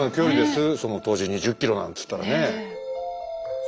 その当時に２０ｋｍなんつったらね。